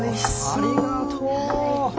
ありがとう。